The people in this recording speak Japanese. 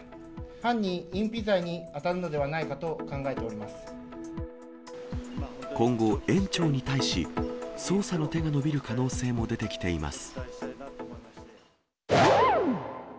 犯人隠避罪に当たるのではないか今後、園長に対し、捜査の手が伸びる可能性も出てきています。